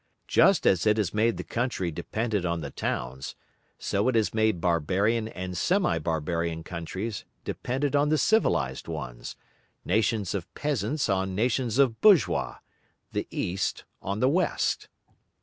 Just as it has made the country dependent on the towns, so it has made barbarian and semi barbarian countries dependent on the civilised ones, nations of peasants on nations of bourgeois, the East on the West.